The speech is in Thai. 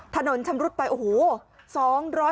ถนนชำรุดไปโอ้โห